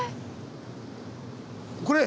これ！